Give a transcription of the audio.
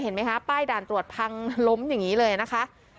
เห็นไหมคะป้ายด่านตรวจพังล้มอย่างนี้เลยนะคะ